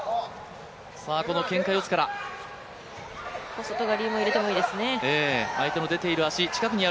小外刈も入れてもいいですね